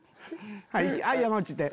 はい山内いって。